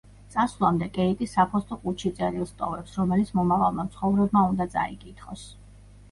წასვლამდე, კეიტი საფოსტო ყუთში წერილს ტოვებს, რომელიც მომავალმა მცხოვრებმა უნდა წაიკითხოს.